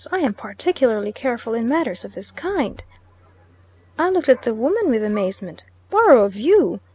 I am particularly careful in matters of this kind." I looked at the woman with amazement. "Borrow of you?"